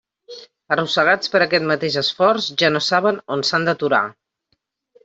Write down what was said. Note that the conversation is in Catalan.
Arrossegats per aquest mateix esforç, ja no saben on s'han d'aturar.